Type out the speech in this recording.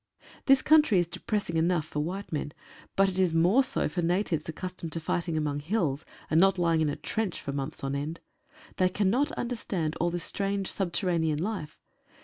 This country is depressing enough for white men, but it is more so for natives accustomed to fighting among hills, and not lying in a trench for months on end. They cannot understand all this strange subterranean life.